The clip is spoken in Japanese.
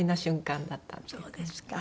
そうですか。